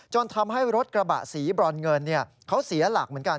ทำให้รถกระบะสีบรอนเงินเขาเสียหลักเหมือนกัน